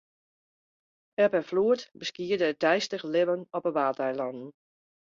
Eb en floed beskiede it deistich libben op de Waadeilannen.